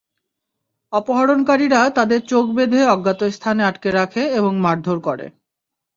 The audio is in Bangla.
অপহরণকারীরা তাঁদের চোখ বেঁধে অজ্ঞাত স্থানে আটকে রাখে এবং মারধর করে।